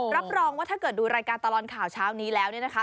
รับร้องว่าถ้าเกิดดูรายการตลอนข่าวช้าวนี้แล้วนะฮะ